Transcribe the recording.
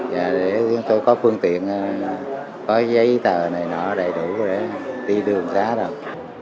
và để chúng tôi có phương tiện có giấy tờ này đầy đủ để đi đường xá đâu